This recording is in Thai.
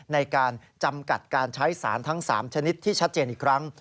ในการจำกัดการใช้สารทั้ง๓ชนิดที่ชัดเจนอีกครั้ง